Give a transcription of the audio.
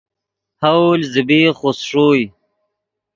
ہاؤل زبیغ خوست ݰوئے